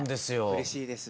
うれしいです。